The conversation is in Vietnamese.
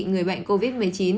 người bệnh covid một mươi chín